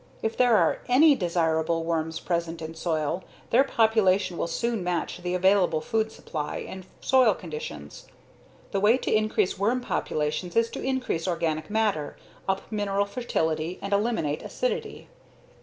If there are any desirable worms present in soil, their population will soon match the available food supply and soil conditions. The way to increase worm populations is to increase organic matter, up mineral fertility, and eliminate acidity.